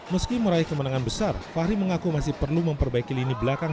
meski meraih kemenangan besar fahri mengaku masih perlu memperbaiki lini belakang